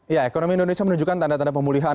ya ekonomi indonesia menunjukkan tanda tanda pemulihan